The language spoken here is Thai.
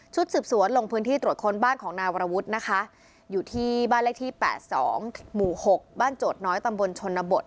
สืบสวนลงพื้นที่ตรวจค้นบ้านของนายวรวุฒินะคะอยู่ที่บ้านเลขที่๘๒หมู่๖บ้านโจทย์น้อยตำบลชนบท